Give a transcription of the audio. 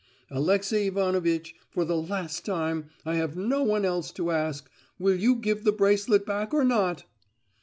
Alexey Ivanovitch, for the last time—I have no one else to ask—will you give the bracelet back or not?"